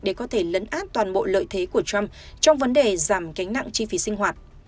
để có thể lấn át toàn bộ lợi thế của trump trong vấn đề giảm gánh nặng chi phí sinh hoạt